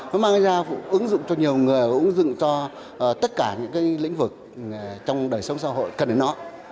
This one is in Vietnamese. nó mang ra ứng dụng cho nhiều người và ứng dụng cho tất cả những cái lĩnh vực trong đời sống xã hội cần đến nó